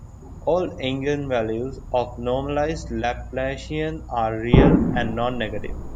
All eigenvalues of the normalized Laplacian are real and non-negative.